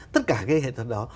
tất cả cái hệ thuật đó